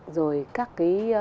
rồi các cái